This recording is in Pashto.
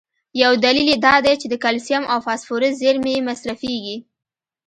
یو دلیل یې دا دی چې د کلسیم او فاسفورس زیرمي یې مصرفېږي.